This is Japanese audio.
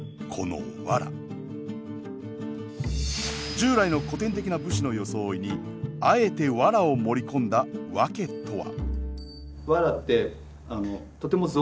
従来の古典的な武士の装いにあえてワラを盛り込んだ訳とは？